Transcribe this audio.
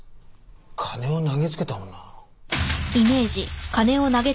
金を投げつけた女？